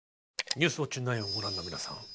「ニュースウオッチ９」をご覧の皆さん